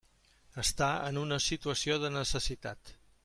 Està en una situació de necessitat.